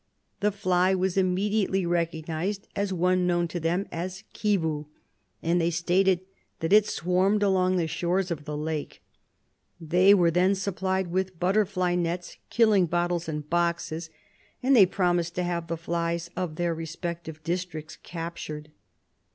The fly was immediately recognised as one known to them as "Kivu," and they stated that it swarmed along the shores .of the lake. They were then supplied with butterfly nets, killing bottles and boxes, and they promised to have the flies of their respective districts captured.